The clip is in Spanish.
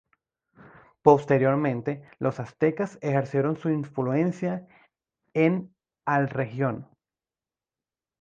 Posteriormente, los aztecas ejercieron su influencia en al región.